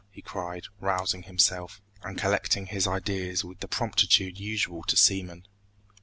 he cried, rousing himself, and collecting his ideas with the promptitude usual to seamen.